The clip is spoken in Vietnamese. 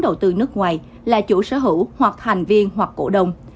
có vốn đầu tư nước ngoài là chủ sở hữu hoặc thành viên hoặc cổ đông